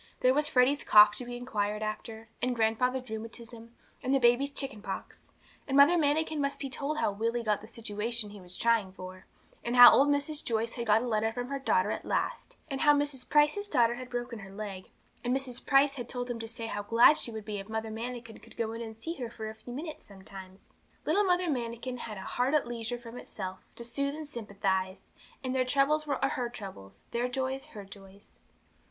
There was Freddy's cough to be inquired after, and grandfather's rheumatism, and the baby's chickenpox. And Mother Manikin must be told how Willie had got that situation he was trying for, and how old Mrs. Joyce had got a letter from her daughter at last; and how Mrs. Price's daughter had broken her leg, and Mrs. Price had told them to say how glad she would be if Mother Manikin could go in to see her for a few minutes sometimes. Little Mother Manikin had 'a heart at leisure from itself, to soothe and sympathise,' and their troubles were her troubles, their joys her joys.